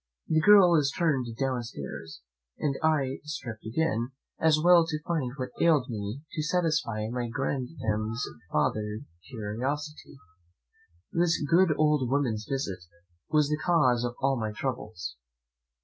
The girl is turned downstairs, and I stripped again, as well to find what ailed me as to satisfy my grandam's farther curiosity. This good old woman's visit was the cause of all my troubles.